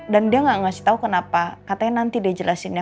dan dia gak ngasih tau kenapa katanya nanti dia jelasinnya